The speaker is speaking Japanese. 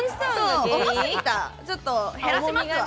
ちょっと減らしますわ。